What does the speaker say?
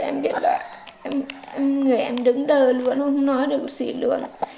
em biết là người em đứng đơ luôn không nói được gì luôn